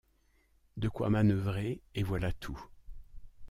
De quoi manœuvrer, et voilà tout.